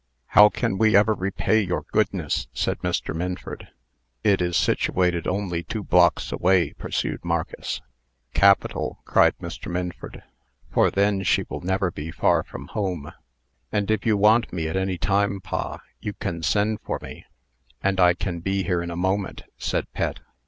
"How can we ever repay your goodness?" said Mr. Minford. "It is situated only two blocks away," pursued Marcus. "Capital!" cried Mr. Minford; "for then she will never be far from home." "And if you want me at any time, pa, you can send for me, and I can be here in a moment," said Pet.